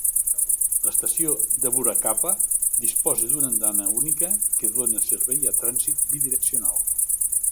L'estació d'Aburakawa disposa d'una andana única que dona servei a trànsit bidireccional.